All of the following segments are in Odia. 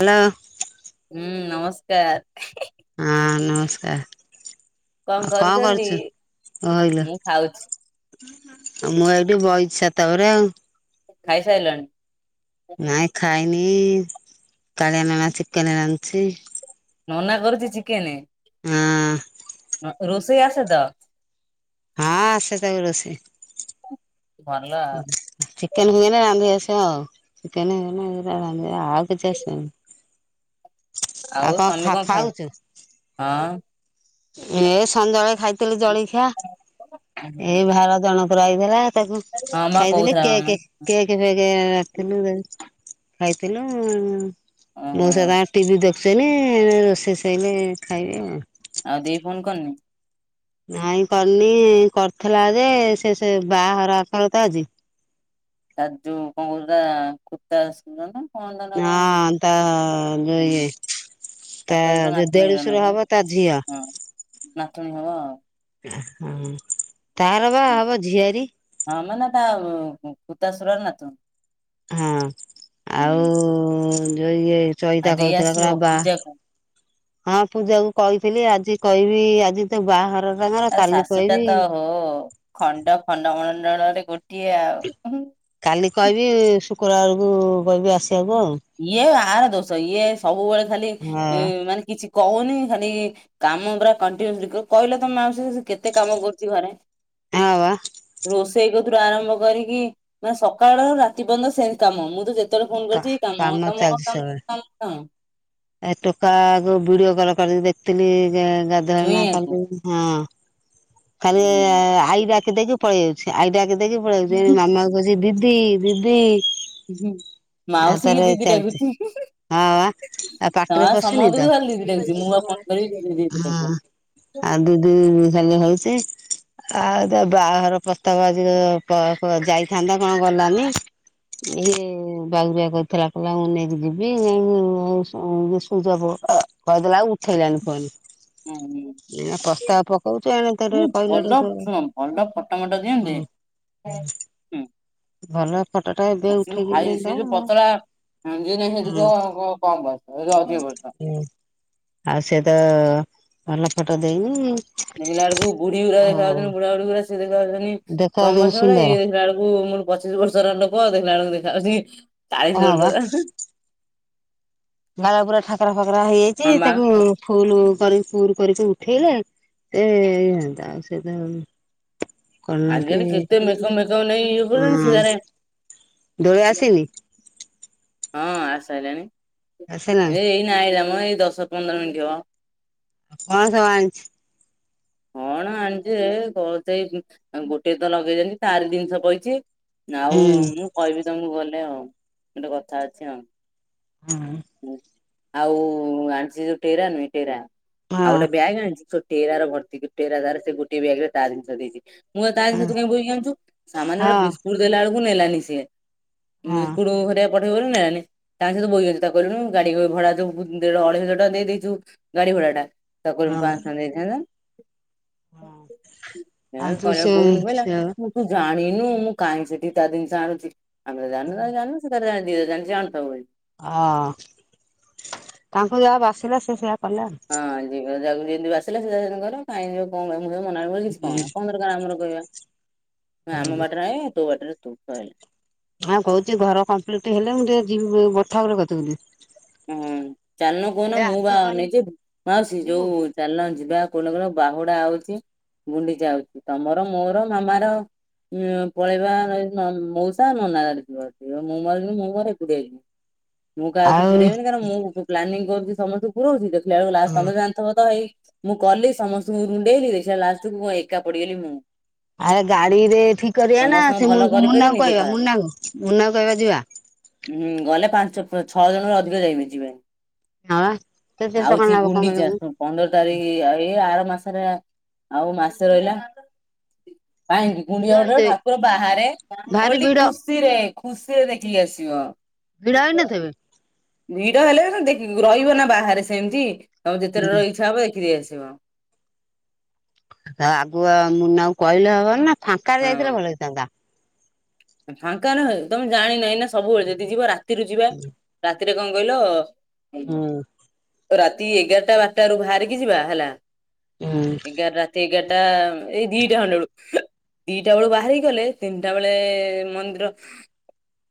ହ୍ୟାଲୋ ହୁଁ ନମସ୍କାର। ହଁ ନମସ୍କାର। ଆଉ କଣ କରୁଛୁ କହିଲୁ ମୁଁ ଖାଉଛି ଆଉ ମୁଁ ଏଇଠି ବଇ । ଛାତ ଉପରେ ଆଉ। ଖାଇସାରିଲଣି? ନାଇଁ ଖାଇନି, କାଳିଆ ନାନା ଚିକେନ ରାନ୍ଧଛି। ନନା କରୁଛି ଚିକେନ? ହଁ। ରୋଷେଇ ଆସ ତ? ହଁ ଆସେ ତାକୁ ରୋଷେଇ। ଭଲ ଆଉ। ଚିକେନ ଫିକେନ୍ ରାନ୍ଧି ଆସେ। [inaudible] ଚିକେନ ଫିକେନ ରା-ରାନ୍ଧି ଆଉ କିଛି ଆସେନି। ଆଉ କଣ ଖା-ଖାଉଛୁ? ହଁ ଏ ସଞ୍ଜବେଳେ ଖାଇଥିଲି ଜଳିଖିଆ। ଏ ଉହୁଁ। ଭାର ଜଣଙ୍କର ଆଇଥିଲା ତାକୁ ହଁ ମା ଖାଇଥିଲି। କହୁଥିଲା ମାମା। କେକେ କେକ ଫେକେ। [unintelligible] ଖାଇଥିଲୁ, ମୁଁ ଓହୋ ସେଟା ଟିଭି ଦେଖ [unintelligible] ରୋଷେଇ ସଇଲେ ଖାଇବେ ଆଉ। ଫୋନ୍ କରନି। ନାଇଁ କରିନି କରିଥିଲା ଯେ, ସେ ସେ ବାହାଘର ଆଖଳ ତ ଆଜି। ତା ଯୋଉ କଣ କହୁଥିଲା ଖୁତା ଅସୁର ନା। ତା ନାଁ କଣ? ହଁ ତା ଯୋଇଆ ତା ତାଙ୍କରି କଣ ଯୋଉ ନାତୁଣୀର ନା ଦେଢ଼ସୁର କଣ ହବ ତା ଝିଅ। ହଁ ନାତୁଣୀ ହବ ଆଉ। ଆ ହଁ। ତାର ବା ହବ ଝିଆରୀ ହଁ ମାନେ ତା କୁତାସୁରର ନାତୁଣୀ। ହଁ ଆଉ ଯୋଉ ଇଏ। ଆଉ ଚଇତା ଦେଇ ଆସିବ କହୁଥିଲା ବା ପୂଜାକୁ। ହଁ ପୂଜା କ କହି। ଥିଲି ଆଜି କହିବି ଆଜି ତ ବାହାଘର ତାଙ୍କର ଆ କାଲି ଶାଶୁଟା କହିବି ତ ହୋ, ଖଣ୍ଡ ଖଣ୍ଡମଣ୍ଡଳରେ ଗୋଟିଏ ଆଉ। ହୁଁ। କାଲି କହିବି ଶୁକ୍ରବାରକୁ କହିବି ଆସିବାକୁ ଆଉ। ତାର ଦୋଷ। ଇଏ ସବୁବେଳେ ଖାଲି ଇଁ ମାନେ କିଛି କହୁନି ଖାଲି କାମ ପୁରା କଣ୍ଟିନୋସଲି କହିଲେ ତମେ କେତେ କାମ କରୁଛି ଘରେ ହଁ ହଁ ବା । ରୋଷେଇ କ ତୁରୁ ଆରମ୍ଭ କରିକି ମାନେ ସକାଳ ରାତି ପର୍ୟ୍ୟନ୍ତ ସେନ୍ତି କାମ। ମୁଁ ତ ଯେତେବେଳେ ଫୋନ କରିୁଛି ମ - ତ - ମ - କାମ ତ ଚାଲିଛି ମତ ସବୁ । ଏ ଟୋକା କୁ ଭିଡିଓ କଲ କରିିକି ଦେଖିଥିଲି ଗାଧୁଆ ବେଳେ ଚୁଇଁ ନା କଲ୍ ଆକୁ କରିକି ହଁ। ଖାଲି ହୁଁ। ଆଇଡାକି ଦେଇକି ଦେଇକି ପଳେଇ ଯାଉଛି । ଆଇ ଡାକି ଦେଇକି ପଳେଇ ଯାଉଛି । ଏଣେ ମାମା କହୁଚି ଦି ଦିଦି, ଦିଦି ମାଉସୀ କି ଆଉଥରେ ଦିଦି ଚାଲଛି ଡାକୁଛି। ହଁବା। ପାଟିରେ ହଁ ପଶୁନି ସମସ୍ତଙ୍କୁ ତ, ଖାଲି ଦିଦି ହଁ ଡାକୁଛି ମୁଁ ଆଉ କଣ କରିବି । ଦିଦି ଦିଦି ଡାକିବ। ଆଉ ଦିଦି, ଦିଦି ଖାଲି ଇଏ ହଉଚି। ଆଉ ତା ବାହାଘର ପ୍ରସ୍ତାବ ଆଜି କ- କ ଯାଇଥାନ୍ତା କଣ ଗଲାନି? ଇଏ ବାଉରିଆ କହିଥିଲା କହିଲା ମୁଁ ନେଇକି ଯିବି [inaudible] ହଁ ଯେ ସୁଇଜଅଫ କଇଦେଲା ଆଉ ଉଠେଇଲାନି ଫୋନ। ହୁଁ-ହୁଁ। ପକଉଛୁ ଏଣେ ତୋର ମୁଁ । କହିଲାରୁ ଭଲ ତୁ ଶୁଣ ଭଲ ଫଟ ମଟ ଦିଅନ୍ତେ। ହୁଁ [inaudible] ଭଲ ଫଟୋ ଟା ଏବେ ଉଠେଇକି ଦିଅନ୍ତା ନାଇଁ ଯିଏ ନାହିଁ ସିଏ ହୁଁ ଦେଖିବ। କହିବା କମ୍ ବୟସ। ଇଏ ତ ଅଧିକ ବୟସ। ଆଉ ସେ ତ ଭଲ ଫଟୋ ଦେଇନି ଦେଖିଲା ବେଳକୁ ବୁଢୀୁ ଗୁରା ଆଉ ଦେଖାଉଛନ୍ତି ବୁଢ଼ା ବୁଢ଼ୀ ଗୁରା ଲୋକ ଯେମିତି ଦେଖା କମ୍ ଯାଉନି ବୟସ ଭଳିଆ । ସୁନ୍ଦର ଇଏ ଦେଖିଲା ବେଳକୁ ମୋଟ ପଚିଶ ବର୍ଷ ବର୍ଷର ଲୋକ। ଦେଖିଲା ବେଳକୁ ଦେଖାଯାଉଛି ଚାଳିଶ ହଁ ବର୍ଷା ବା। ବାଳ ପୁରା ଠାକରା ଫାକରା ହଁ ହେଇଯାଇଛି ବା ତାକୁ ଫୁଲ କରି ପୁର କରିକି ଉଠେଇଲେ ସେ ହୋଇଯାଆନ୍ତା। ଆଉ ସେ ତ ଆଜିକାଲି କେତେ କଲନ୍ତି ମେକଅପ୍ ମେକଅପ୍ ନେଇ ଇଏ କରୁଛନ୍ତି ସେ ହଁ। ତାରେ ଦଳି ଆସନି? ହଁ ଆସ ଏ ଆସିଲାଣି ଏଇ ନ ଆଇଲା ଏଇ ଦଶ ପନ୍ଦର ମିନିଟ୍ ହବ। କଣ ସବୁ ଆଣିଛି। କଣ ଆଣିଛ କ ସେଇ ଗୋଟେ ତ ଲଗେଇ ଯାଣି ତାରି ଜିନିଷ ପଇଛି। ଆଉ ହୁଁ ମୁଁ କହିବି ତମକୁ ଗଲେ ଆଉ ଗୋଟେ କଥା ଅଛି ଆଉ। ହଁ। ଆଉ ଆଣିଛି ଯୋଉ ଟେରା ନୁହେଁ ଟେରା ହଁ ଆଉ ଗୋଟେ ବ୍ୟାଗ୍ ଆଣିଛି [unintelligible] ଟେ ଭର୍ତ୍ ଗୋଟେଧାର ସେ ଗୋଟଏ ବ୍ୟାଗରେ ତା ଜିନିଷ ଦେଇଛି। ମୁଁ ତ ତା ଜିନିଷ ତୁହି ବହିକି ଆଣିଚୁ ସାମାନ୍ୟ ଗୋଟେ ହଁ ବିସ୍କୁଟ ଦେଲା ବେଳକୁ ନେଲାନିସିଏ। ହଁ [inaudible] ତାଙ୍କ ସହିତ ବହିଗ ଚତା କୁ ଗାଡି ଭଡା ଯୋ ଦେଢ ଅଢେଇ ହଜାର ଟଙ୍କା ଦେଇେଇଛୁ ଗାଡି ଭଡା ଟା। ତାକୁ ମୁ ହଁ ପାଞ୍ଚ ଟଙ୍କା ଦେଇଥାନ୍ତା। ହଁ। ଆଉ ତୁ କହ ସେ ବୋଉନି ବିଲ ସେ ମୁଁ ତୁ ଜାଣ ନୁ ମୁଁ କାହିଁ ସେଠି ତା ଜିନିଷ ଆଣୁଛି ଆମେ ଜାୁ ଜାୁ ସେ ଜାି ଜାଣ ଜ ଆଣୁଥାୁ ହଁ ତାଙ୍କୁ ଯାହା ବାସିଲା ସେ ସେଆ ହଁ ଯା ଯେମିତି ଆସିଲା ସିଧା ସେତି କର କାଇଁ ଯିବ କଣ କହିବ। ମୁ ମନା କିଛି କହନା କଣ ଦରକାର ଆମର କହିବା ଆମ ବାଟରେ ଆ ତୁ ବାଟରେ ତୁ ସଇଲା। ହଁ କହୁଛି ଘର କମ୍ପ୍ଲିଟ ହେଲେ ମୁଁ ଟିକେ ଯିବି ବର୍ଥା କ କି। ହଁ ଚାଲଣ କହୁନ ମୁଁ ବା ଆଜିକାଲି ନେଇଛିି ଭଉ ଯିବୁ ଯୋଉ ଚାଲ ଯିବା କହୁନା କ ବାହୁଡା ଆଉଚି ଗୁଣ୍ଡିଚା ଆଉଚି ତମର ମୋର ମାମାର ଉଁ ପଳେଇବା ମା-ମୋଉସା ନନା ମୁଁ ମୋର ମୁଁ ମୋର ଏକୁଟିଆ ଯିବି। ମୁଁ କାହାକୁ ଆଉ ପୁରଇବିନି କାରଣ ମୁଁ ପ୍ଲାନିଂ କରୁଚି ସମସ୍ତଙ୍କୁ ପୁରୋଉଚି ପିଲାବେଳକୁ ଲାସ୍ ତମେ ତ ଜାଣିଥିବ ତ ଏଇ ମୁଁ କଲି ସମସ୍ତଙ୍କୁ ରୁଣ୍ଡେଇଲି ଦେଖିଲାବେଳେ ଲିଷ୍ଟକୁ ମୁଁ ଏକା ପଡିଗଲି ମୁଁ। ଆରେ ଗାଡିରେ ଠିକ କରିବା ନା ସମସ୍ତଙ୍କୁ ସେ ଭଲ କରିିକରି ମୁ-ମୁନାଙ୍କୁ ନିଜେ କହିବା ଖରାପ ମୁନାକୁ ମୁନାକୁ କହିବା ଯିବା। ହୁଁ ଗଲେ ପାଞ୍ଚ ଅ-ଛଅ ଜଣରୁ ଅଧିକ ଯାଇହୁଏ-ଯିବେନି। ହଁ ବା କେତେ ଟଙ୍କା ଆଉଚି ନବ କଣ ଗୁଣ୍ଡିଚା କହିଲୁ? ହେ-ପନ୍ଦର ତାରିଖି ଏଇ ଆର ମାସର ଆଉ ମାସେ ରହିଲା। କାହିଁକି ଭିଡ କୁଣ୍ଡିଚା ପାଖରେ ହେଇଥିବେ ଠାକୁର ବାହାରେ ଭାରି ଓଲଟି ଭିଡ ଖୁସିରେ ଖୁସିରେ ଦେଖିକି ଆସିବ। ଭିଡ଼ ହେଇନଥିବେ? ଭିଡ ହେଲେ ବି ସେଇ ଦେଖ୍ ରହିବେ ନା ବାହାରେ ସେମତି ଆଉ ଭିତରେ ରହି ଠିଆହେବେ ଦେଖିଦେଇ ଆସି ଯିବ। ଆ ଆଗୁଆ ମୁନାକୁ କହିଲେ ହବନା ଫାଙ୍କାରେ ଯାଇଥିଲେ ଭଲ ହେଇଥାନ୍ତା। ଏ ଫାଙ୍କା ନୁହେଁ ତମେ ଜାଣିିନ ଏଇନା ସବୁବେଳେ ଯଦି ଯିବା ରାତିରୁ ଯିବା ରାତ୍ ରାତିରେ କଣ କହିଲ ଓ ରାତି ଏଗାରଟା ବାରଟାରୁୁ ଭାରିକି ଯିବା ହେଲା ହୁଁ ଏଗାର ରାତି ଏଗାର ଟା ଏଇ ଦିଟା ଖଣ୍ଡେ ବେଳୁ ଦିଟା ବେଳୁ ବାହାରିକି ଗଲେ ତିନଟା ବେଳେ ଏ ମନ୍ଦିର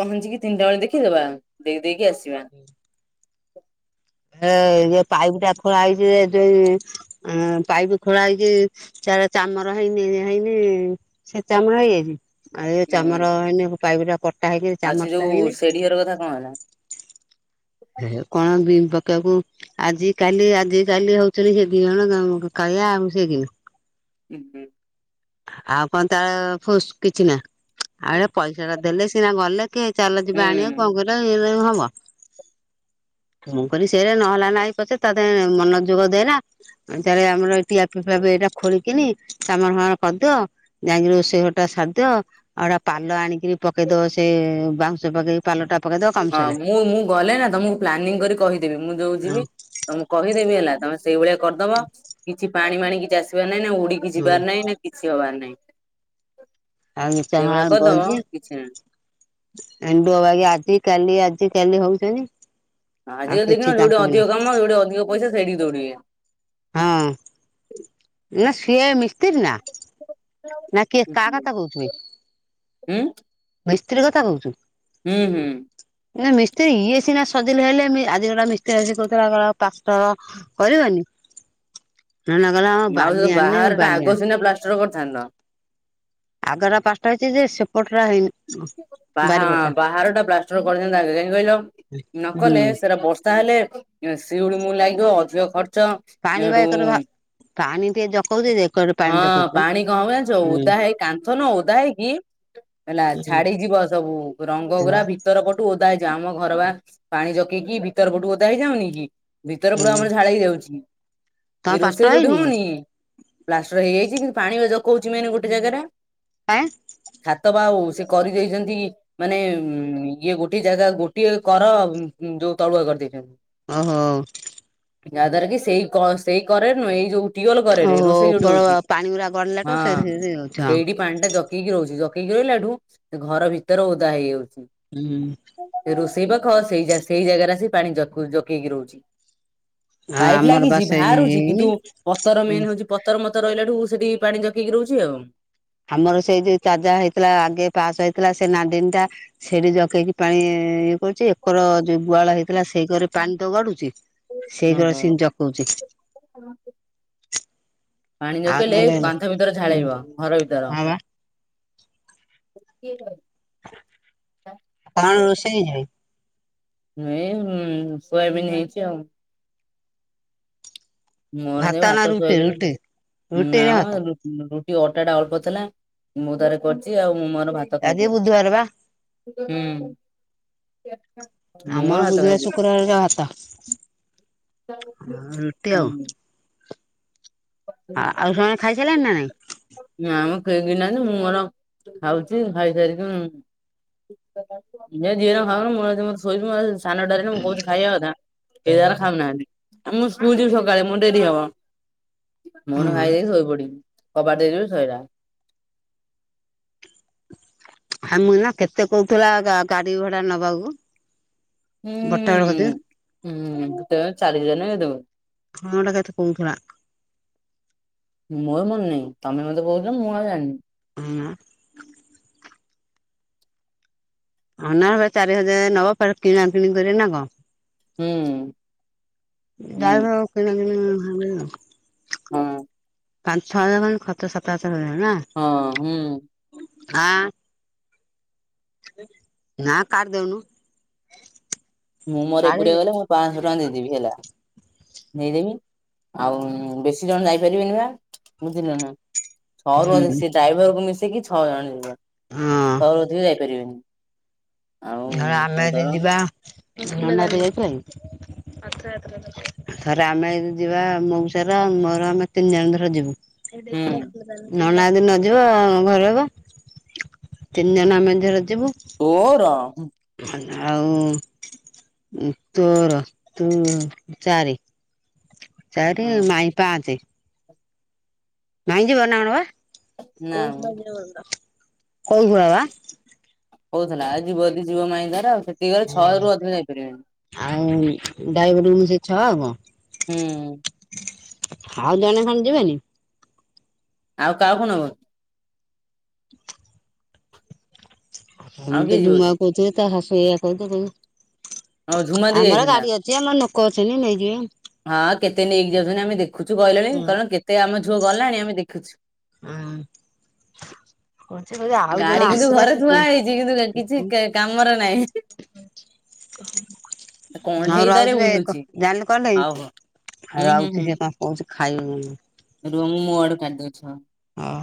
ପହଞ୍ଚିକି ତିନଟା ବେଳେ ଦେଖିଦବା ଦେଖିଦେଇକି ଆସିବା। ଏ ଏ ଏ ଇଏ ପାଇପଟା ଖୋଳା ହେଇଚି ଯୋଉ ଆଁ-ପାଇପି ଖୋଳା ହେଇଚି ତାର ଚାମର ହେଇନି ହେଇନି ସେ ଚାମର ହେଇଯାଇଚି। ଆଉ ଏ ହୁଁ ହୁଁ। ଚାମର ହେଇନି ପାଇପରା ପ ତାହା ବି ଆଉ ସେ ଯୋଉ ଚାମଚଟା ହେଇନି। ସେଢି ଘର କଥା କଣ ହେଲା ହେ କଣ ବିଲ୍ ପକେଇବାକୁ ଆଜି କାଲି ଆଜି କାଲି ହୋଉଥୁଲେ ସେ ଦିଜଣ ଜଣକୁ କ ଏହା ମୁଁ ମିଶିକି। ଉଁ ହୁଁ। ଆଉ କଣ ତାର ଫୁସ୍ କିଛି ନା ଆଉ ଏ ପଇସାଟା ଦେଲେ ସିନା ଗଲେ କେ ଚାଲ ଯିବା ଆଣିବା ହୁଁ କଣ କରିବା ଇଏରାରେ କଣ ହବ। ମୁଁ କହିଲି ସେରା ନହେଲା ନାଇ ପଛେ ତାଦେହରେ ମନଯୋଗ ଦେଏନା ମୁଁ କହିଲି ଚାଲେ ଆମର ଏଠି ଆଫେ ଫାଫେ ସେଟା ଖୋଳିକିନି ଚମର ଫମର କରିଦିଅ ଯାଇକି ରୋଷେଇ ଘରଟା ସାରଦିଅ ଆଉ ଏଟା ପାଲ ଆଣିକିରି ପକେଇଦବ ସେ ବାଉଁ ଶ ପକେଇକି ପାଲଟା ପକେଇଦବ କାମ ହଁ ସଇଲା। ମୁଁ ମୁଁ ଗଲେ ନା ତମକୁ ପ୍ଲାନିଂ କରି କହିଦେବି ମୁଁ ଯୋଉ ହଁ ଯିବି ତ ମୁଁ କହିଦେବି ହେଲା ତମେ ଶୁ ସେଇ ଭଳିଆ କରିଦବ କିଛି ପାଣି ମାଣି କିଛି ଆସିବାର ନାଇଁନେ ଉଡିକି ହଁ ଯିବାର ନାଇଁନେ କିଛି ହବାର ନାଇଁ। ଆଉ ନିଶ୍ଚିୟ ଭାବରେ କରିଦବ ବଇଚି କିଛି ନାହିଁ। ଏଣ୍ଡୁଅ ବାଗିଆ ଆଜି କାଲି ଆଜି କାଲି ହୋଉଚନ୍ତି। ହଁ ଆଜିକାଲି ଦେଖିନ ଯୋଉଠି ଅଧିକ କାମ ଯୋଉଠି ଅଧିକ ପଇସା ସେଇଠିକି ଦୌଡିବେ। ହଁ। ନା ସିଏ ମିସ୍ତିର ନା? ନା କିଏ ହୁଁ କାହା କଥା କହୁଚୁବେ ମିସ୍ତ୍ରୀ କଥା କୋହୁଚୁ? ହୁଁ ହୁଁ। ନାଇ ମିସ୍ତ୍ରୀ ଇଏ ସିନା ସଜିଲ୍ ହେଲେ ମି-ଆଜି ଗୋଟା ମିସ୍ତ୍ରୀ ଆସିକି କହୁଥିଲା କହିଲା ଆଉ ପ୍ଲାଷ୍ଟର କରିବନି? ନନା କହିଲା ହଁ ମାଉସି ବାଲି ତମ ଆଣିନି ମୁଁ ବାହାଘରଟା ବାଲି ଆଗ ଆଣି ସିନା ପ୍ଲାଷ୍ଟର କରିଥାନ୍ତ। ଆଗରା ପ୍ଲାଷ୍ଟର ହେଇଚି ଯେ ସେପଟ [unintelligible] ବାହା ବାହାର ଟା ବ୍ଲାଷ୍ଟର କରିଥାନ୍ତା ଆ କାହିଁକି କହିଲ ନ କଲେ ହୁଁ ସେଟା ବର୍ଷା ହେଲେ [inaudible] ସିଳି ମ ଲାଗିବ ଅଧିକ ଖର୍ଚ୍ଚ ପାଣି ବା ସେଠୁ ଏକରେ ଭା ପାଣି ଟିକେ ଜକଉଛି ଯେ ଏକରେ ପାଣି ହଁ ଜକଉଛି ବା ପାଣି କମ ଜାଣିଛ ହୁଁ ଓଦା ହେଇ କାନ୍ଥ ନୁହ ଓଦା ହେଇକି? ହେଲା ହୁଁ ଛାଡିଯିବ ସବୁ ରଙ୍ଗ ହଁ ଗୁରା ବା ଭିତର ପଟୁ ଓଦା ହେଇଯାଉ ଆମ ଘର ବା ପାଣି ଜକେଇକି ଭିତର ଗଟୁ [unintelligible] ଓଦା ହେଇଯାଉନି କି? ଭିତର ପଡା ହୁଁ ଆମର ଝାଲେଇ [unintelligible] ତମ ହେଇଯାଉଛି ପାଷ୍ଟ ରୋଷେଇ ଯୋଉଠି ହେଇନି କି ହଉନି ପ୍ଲାଷ୍ଟର ହେଇଯାଇଛି କି ପାଣି ଜଉଛି [unintelligible] ମି ଗୋଟେ ଜାଗାାରେ। ଆଁ। ଆଉ ସେ କରିଦେଇଛନ୍ତି ମାନେ ଇଏ ଗୋଟେ ଜାଗା ଗୋଟିଏ କର ତଳୁଆ କରିଦେଇଛୁ। ଓ ହୋ। ଯାହାଦ୍ଵାରା କି ସେଇ ସେଇ କରେନୁ ହେ ଏଇ ଯୋଉ ଟିବଲ କରେ ଓହୋ ରୋଷେଇ ଯୋଠେ ଉପର ହଉଛି ପାଣି ଗୁରା ଗଡିଲାଠୁ ହଁ ସେ ହଉଛି ହଁ ସେଇଠି ପାଣି ଟା ଜକେଇକି ରହୁଛି। ହିଲାଠୁ ଘର ଭିତରେ ଓଦା ହେଇଯାଉଛି ହୁଁ ରୋଷେଇ ସେଇ ପାଖ ସେଇ ସେଇ ଜାଗାରେ ଆ ସେ ପାଣି ଜକ ଜକେଇକି ରହୁଛି। ଆଉ ପାଇପ୍ ଆମର ବା ଲାଗିଛି ସେଇ ବାହାରୁଛି କିନ୍ତୁ ହେଇନି ପଥର ହୁଁ ମେନ୍ ହଉଚଛି ପଥର ମତ ରହିଲା ଠୁ ସେଠି ପାଣି ଜକେଇକି ରହୁଛି ଆଉ। ଆମର ସେଇ ଯୋଉ ଚାଜା ହେଇଥିଲା ଆଗେ ପାସ୍ ହେଇଥିଲା ସେ ନାନ୍ଦନ ଟା ସେଇଠି ଜକେଇକି ପାଣି। ଇଏ କରୁଛି ଏକର ଯୋଉ ଗୁହାଳ ହେଇଥିଲା ସେଇ ଘରେ ପାଣି ତ ଗଡୁଛି ସେଇ ଘରେ ସି ଜକଉଛି। ହ [unintelligible] ପାଣି ଆଉ ନକେଇଲେ ନହେଲେ କାନ୍ଥ ଭିତରେ ଉଁ ଝାଳେଇବ ଘର ଭିତର। ହଁ ବା କିଏ ଭ [unintelligible] କଣ ରୋଷେଇ ଯାଇ [unintelligible] ନଁ [unintelligible] ସୋୟାବନ୍ ହେଇଛି ଆଉ। ମୋର ସେ ନା ଭାତ ରୁଟି ସୋୟବିନ୍ ରୁଟି ରୁଟି ନା ନାମ ଭାତ ରୁଟି [unintelligible] ଟ ଅଟା ଟା ଅଳ୍ପ ଥିଲା ମୁଁ ତାର କରିଛି ଆଉ ମୁଁ ମୋର ଭାତ ଆଜି ବୁଧବାର ବା। ଖାଇଦେବି ହୁଁ । ଆମର ମୋର ଭାତଖା ବୁଧବାର ଇଦେବି । ଶୁକ୍ରବାରରେ ଭାତ [unintelligible] ହୁଁ ରୁଟି [unintelligible] ଆଉ ଆଉ ସମସ୍ତେ ଖାଇସିଲଣି ନା ନାଇଁ? ନାମ କେହି ଖାଇ ନାହାନ୍ତି ମୁଁ ମୋର ଖାଉଛି ଖାଇସାରିକି ଯିଏ ଖାଉନ ମନ ମେ ଶିବି [unintelligible] ସାନ ଡରି ମୁଁ କହୁଛି ଖାଇବା କଥା ଏ ଦାର ଖାଉ ନାହାନ୍ତି। ମୁଁ ସ୍କୁଲ ଯିବି ସକାଳେ ମୁଁ ଡେରି ହବ ମୋନ ହଁ ଭାଇ ଯାଇ ଶୋଇପଡିବି କବାଟ। ଦେଇିବି ଶଇଲା। ହମ ନା କେତେ କହୁଥିଲା ଗାଡି ଭଡା ନବାକୁ? ହୁଁ। ବଟାବେଳ ଗଦ। ହୁଁ ତେ ଚାରି ହଜଣ ହେଦବ। ହଁ ଗୋଟା କେତେ କହୁଥିଲା ମୋର ମନେ ନହିଁ ତମେ ମତେ କହୁଛ ମୁଁ ଆଉ ଜାଣିନି? ଆଁ। ହ ନା ଚାରି ହଜାର ନବା ଫ କିଣା ଆ କିଣି କରିିବ ନା କଣ। ହୁଁ। ହୁଁ ଯାାଇ କିଣି ହେ [unintelligible] ହଁ ପାଞ୍ଚ ଛଅ ହଜାର ମାନ ଖର୍ଚ ସଫ। ହଁ ହୁଁ। ଆଁ। ନା କା ଦେଉନୁ। ମୁଁ ମୋର ଏକୁଟିଆ ଗଲେ ମୁଁ ପାଞ୍ଚଶହ ଟଙ୍କା ଦେଇଦେବି ହେଲା। ନେଇଦେବି ଆଉ ବେଶୀ ଜଣ ଯାଇପାରିବେନି ବା ବୁଝିଲୁ ନା ଛଅରୁ ଅଧ ହୁଁ ସେ ଡ୍ରାଇଭର କୁ ମିଶିକି ଛଅ ଜଣ ଯିବ, ହଁ। ଛଅରୁ ଅଧିକି ଯାଇପାରିବେନି। ଆଉ ଧ ଆମେ ତମେ ଯଦି ତର ଯିବା [unintelligible] ଣ୍ଡ ଯାଇଛ [unintelligible] ଥରେ ଆମେ ଯିବା ମଉସା ମୋର ଆମେ ତିନି ଜଣ ଧର ଯିବୁ । ଏ ମ ହୁଁ [unintelligible] ନନା ଆଦି ନ ଯିବ ଆ ଘର ହେବ ତିନି ଜଣ ଆମେ ଧରେ ଯିବୁ। ଓ [unintelligible] ର ଆଉ। ତୋର ତୁ ଚାରି ଚାରି ମାଇଁ ପାଞ୍ଚ ମାଇଁଜିବ ନା କଣ ନା ମ ବା କଉ ଘଡ ବା [unintelligible] କଉଥିଲା ଯିବ ଯିବ ମାଇଁ ତାର ଆଉ ସେଠିରେ ଛଅ ରରୁ ଅଧିକା ଯାଇପାରିବନି। ଡାଇଭର ମିଶିକି ଛଅ ଆଉ କଣ? ହୁଁ। ଆଉ ଜଣେ ଖଣ୍ଡ ଯିବେନି? ଆଉ କହାକୁ ନ ବ? ଆମ ଆଉ ତ କିଏ ଯିବ କି? ଝୁମା କହୁଥିଲେ ତା ହାସଇଆ କହୁଛ ହଁ କ। ଝୁମା ଦେଇ ଆମର ଯାଇଥାନ୍ତା। ଗାଡି ଅଛି ଆମର ଲୋକ ଅଛନ୍ତି ନେଇଯିବେ। ହଁ କେତେ ନେଇକି ଯାଉଛନ୍ତି ଆମେ ଦେଖୁଛୁ, କହିଲେଣି କହିଲ କେତେ ଆମ ଝୁଅ ଗଲାଣି ଆମେ ଦେଖୁଛୁ। ହଁ। କହୁଛି କହୁଛି ଆଉ ଜଣେ ଗାଡି କିନ୍ତୁ ଆସିବେ ଘରେ ସେ ଥୁଆ ହେଇଛି, କିନ୍ତୁ କିଛି କାମରେ ନାହିଁ। [inaudible] ଆଉ କଣ୍ଢେଇ ତାରେ ରହୁଛି ବ [unintelligible] ବୁଲୁଛି ଜାଣିଲି କହିଲ ହଉ [unintelligible] ହଉ ଆଉ ହୁଁ ହୁଁ ହୁଁ ରହୁଛି ସେ କଣ କହୁଛି। ଖାଇ [unintelligible] ରୁହ ମୁଁ ମୋ ଆଡୁ କାଟି ଦେଉଛି [unintelligible] ଅଁ।